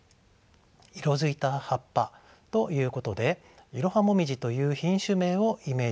色づいた葉っぱということでイロハモミジという品種名をイメージしたものでしょう。